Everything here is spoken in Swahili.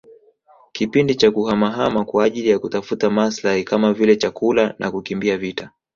kipindi cha kuhamahama kwa ajili ya kutafuta maslahi kama vile chakula na kukimbia vita